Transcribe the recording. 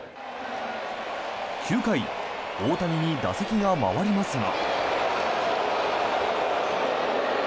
９回、大谷に打席が回りますが。